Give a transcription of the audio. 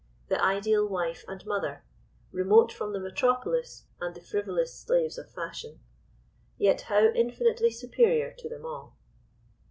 The ideal wife and mother—remote from the metropolis, and the frivolous slaves of fashion—yet how infinitely superior to them all.